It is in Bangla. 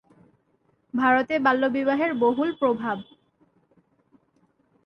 ভারতে বাল্যবিবাহের বহুল প্রভাব।